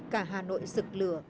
cả hà nội rực lửa